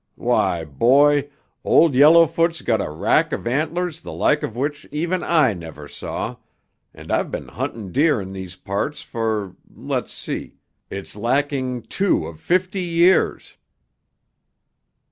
Why, Boy, Old Yellowfoot's got a rack of antlers the like of which even I never saw, and I've been hunting deer in these parts for, let's see, it's lacking two of fifty years."